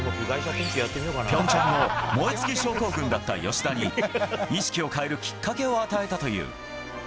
ピョンチャン後、燃え尽き症候群だった吉田に、意識を変えるきっかけを与えたという。